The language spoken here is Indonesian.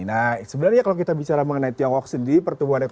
nah sebenarnya kalau kita bicara mengenai tiongkok sendiri